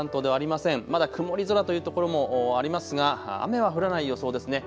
まだ曇り空というところもありますが雨は降らない予想ですね。